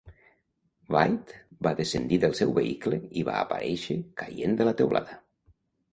Wight va descendir del seu vehicle i va aparèixer caient de la teulada.